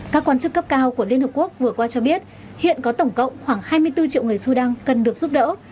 các quan chức cấp cao của liên hợp quốc vừa qua cho biết hiện có tổng cộng khoảng hai mươi bốn triệu người sudan cần được giúp đỡ